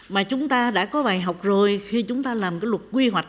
mà chúng ta đã có vài học rồi khi chúng ta làm cái luật quy hoạch